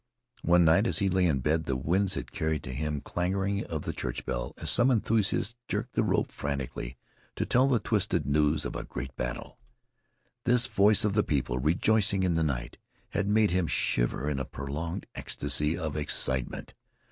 One night, as he lay in bed, the winds had carried to him the clangoring of the church bell as some enthusiast jerked the rope frantically to tell the twisted news of a great battle. This voice of the people rejoicing in the night had made him shiver in a prolonged ecstasy of excitement.